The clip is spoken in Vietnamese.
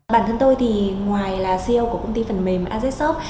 bản thân tôi thì ngoài là ceo của công ty phần mềm azesoft